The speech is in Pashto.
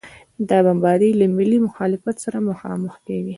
دا بمبارۍ له ملي مخالفت سره مخامخ کېږي.